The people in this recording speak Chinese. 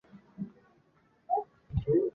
这一系列举措主要是为防范陶侃。